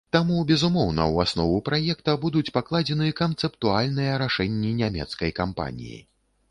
Таму, безумоўна, у аснову праекта будуць пакладзены канцэптуальныя рашэнні нямецкай кампаніі.